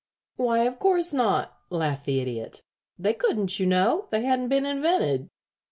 "Why, of course not," laughed the Idiot. "They couldn't, you know. They hadn't been invented.